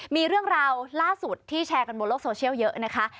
มีเรื่องราวล่าสุดที่แชร์กันบนโลกโซเชียลเยอะนะคะ